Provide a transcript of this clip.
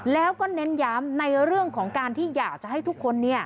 แล้วก็เน้นย้ำในเรื่องของการที่อยากจะให้ทุกคน